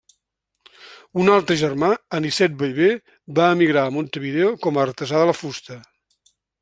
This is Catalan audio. Un altre germà, Anicet Bellver, va emigrar a Montevideo com a artesà de la fusta.